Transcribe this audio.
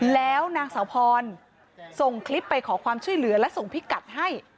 แล้วนางสาวพรส่งคลิปไปขอความช่วยเหลือและส่งพิกัดให้